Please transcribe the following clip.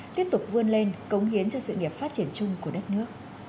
tiếp tục vươn lên cống hiến cho sự nghiệp phát triển chung của đất nước